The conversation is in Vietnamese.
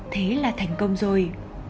thế là thành công rồi